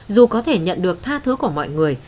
dù có thể nhận được tha thứ của mọi người